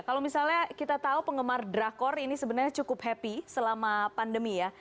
kalau misalnya kita tahu penggemar drakor ini sebenarnya cukup happy selama pandemi ya